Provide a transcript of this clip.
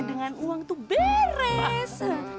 dengan uang tuh beres